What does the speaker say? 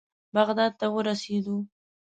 بغداد ته ورسېدو.